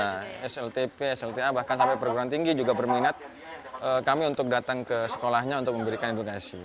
nah sltp slta bahkan sampai perguruan tinggi juga berminat kami untuk datang ke sekolahnya untuk memberikan edukasi